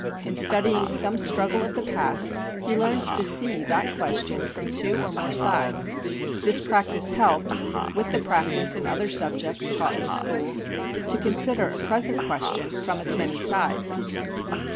In studying some struggle of the past he learns to see that question from two or more sides; this practice helps, with the practice in other subjects taught in the schools, to consider a present question from its many sides.